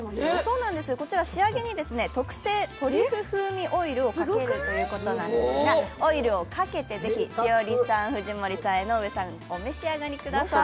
こちら仕上げに特製トリュフ風味オイルをかけるということなんですがオイルをかけて、ぜひ栞里さん、藤森さん、江上さん、お召し上がりくださーい。